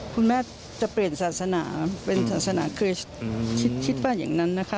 คุณแม่จะเปลี่ยนศาสนาเป็นศาสนาเคยคิดว่าอย่างนั้นนะคะ